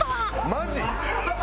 マジ？